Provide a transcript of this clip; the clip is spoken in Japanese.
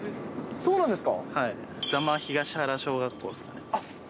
そうなんですか。